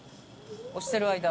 押してる間。